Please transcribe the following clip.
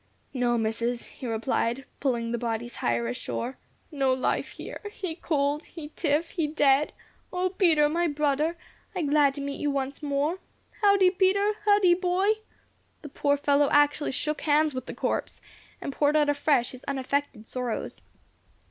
"No, Missus," he replied, pulling the bodies higher ashore. "No life here. He cold he stiff he dead. O Peter, my brudder, I glad to meet you once mo'. Huddee[#] Peter! Huddee boy!" The poor fellow actually shook hands with the corpse, and poured out afresh his unaffected sorrows.